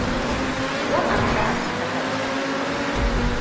Zan amshi amintakar sa.